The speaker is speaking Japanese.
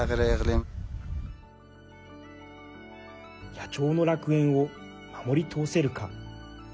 野鳥の楽園を守り通せるか。